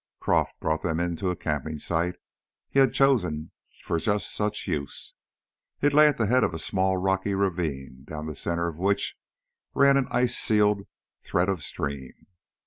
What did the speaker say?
Croff brought them into a camping site he had chosen for just such use. It lay at the head of a small rocky ravine down the center of which ran an ice sealed thread of stream.